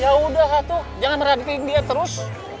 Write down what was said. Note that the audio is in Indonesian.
ya udah jangan ngerahatiin dia terus